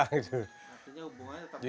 artinya hubungannya tetap baik